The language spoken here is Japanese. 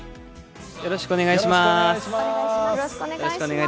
よろしくお願いします。